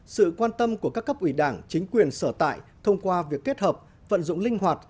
sự quan tâm của các cấp ủy đảng chính quyền sở tại thông qua việc kết hợp vận dụng linh hoạt